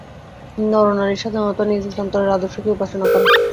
নরনারীগণ সাধারণত নিজ নিজ অন্তরের আদর্শকেই উপাসনা করে।